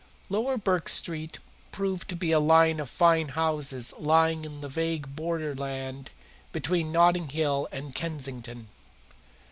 Lower Burke Street proved to be a line of fine houses lying in the vague borderland between Notting Hill and Kensington.